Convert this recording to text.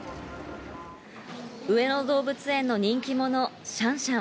上野動物園の人気者・シャンシャン。